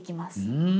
うん。